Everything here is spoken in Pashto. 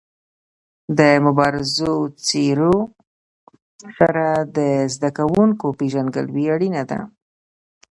د مبارزو څېرو سره د زده کوونکو پيژندګلوي اړینه ده.